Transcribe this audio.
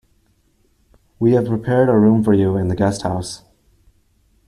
We have prepared a room for you in the guest house.